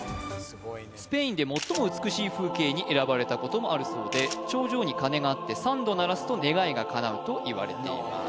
スペインで最も美しい風景に選ばれたこともあるそうで頂上に鐘があって３度鳴らすと願いが叶うといわれています